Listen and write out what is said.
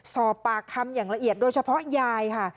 สอบปากคำอย่างละเอียดโดยเฉพาะยายค่ะ